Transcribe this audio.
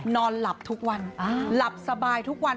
นอนหลับทุกวันหลับสบายทุกวัน